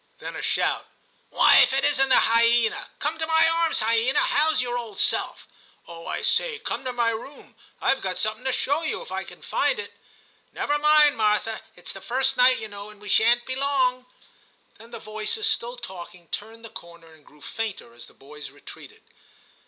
Then a shout. *Why, if it isn't the hyena! Come to my arms, hyena ; how's your old self ? Oh ! I say, come to my room ; I Ve got something to show you, if I can find it. Never mind, Martha ; it's the first night, you know, and we shan't be long.' Then the voices, still talking, turned the corner and grew fainter as the boys retreated.